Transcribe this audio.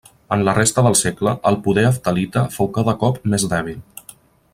En la resta del segle el poder heftalita fou cada cop més dèbil.